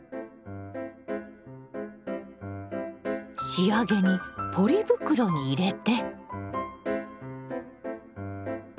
仕上げにポリ袋に入れて。